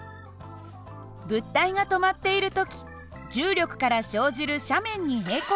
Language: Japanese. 物体が止まっている時重力から生じる斜面に平行な力と釣り合う